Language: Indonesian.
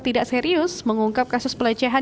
tidak serius mengungkap kasus pelecehan